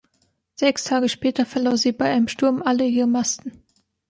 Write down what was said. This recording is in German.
Sechs Tage später verlor sie bei einem Sturm alle ihre Masten.